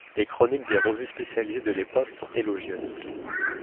Les chroniques des revues spécialisées de l'époque sont élogieuses.